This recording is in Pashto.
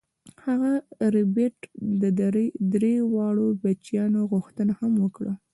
هغه د ربیټ د درې واړو بچیانو غوښتنه هم وکړه